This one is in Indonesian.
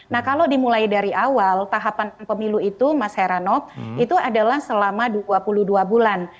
nah kalau dimulai dari awal tahapan pemilu itu mas heranov itu adalah selama dua puluh dua bulan